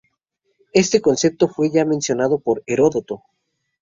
Este concepto fue ya mencionado por Heródoto.